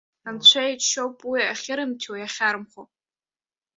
Анцәа иџьшьоуп уи ахьырымҭиуа, иахьаарымхәо.